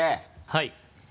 はい。